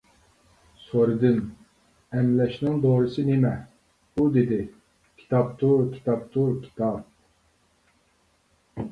سورىدىم، ئەملەشنىڭ دورىسى نېمە؟ ئۇ دېدى: كىتابتۇر، كىتابتۇر، كىتاب!